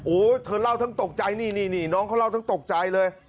โอ้โหเธอเล่าทั้งตกใจนี่นี่น้องเขาเล่าทั้งตกใจเลย